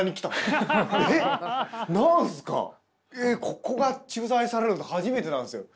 ここが取材されるのって初めてなんですよ。